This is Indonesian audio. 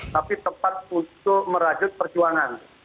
tapi tepat untuk merajut perjuangan